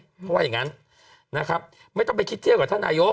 เพราะว่าอย่างนั้นนะครับไม่ต้องไปคิดเที่ยวกับท่านนายก